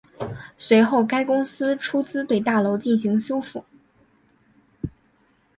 随后该公司出资对大楼进行修复。